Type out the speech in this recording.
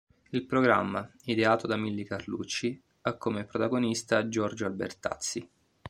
Il programma, ideato da Milly Carlucci, ha come protagonista Giorgio Albertazzi.